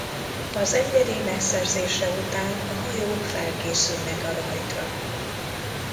Az engedély megszerzése után a hajók felkészülnek a rajtra.